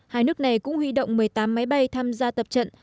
hai nước này cũng huy động một mươi tám máy bay tham gia tập trận